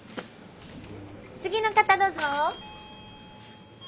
次の方どうぞ。